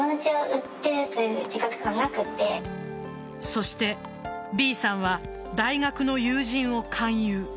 そして、Ｂさんは大学の友人を勧誘。